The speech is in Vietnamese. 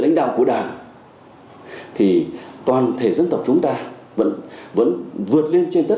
hãy đăng ký kênh để ủng hộ kênh của mình nhé